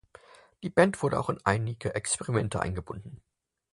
Die Band wurde auch in einige Experimente eingebunden.